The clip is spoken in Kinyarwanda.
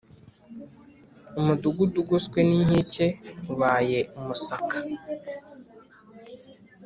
Umudugudu ugoswe n inkike ubaye umusaka